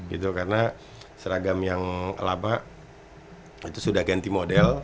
gitu karena seragam yang lama itu sudah ganti model